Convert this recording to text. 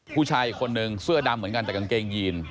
ผู้ชายอีกคนนึงเสื้อดำเหมือนกันแต่กางเกงยีน